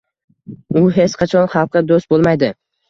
U hech qachon xalqqa do‘st bo‘lmaydi!